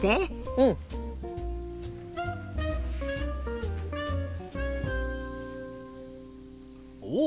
うん！おっ！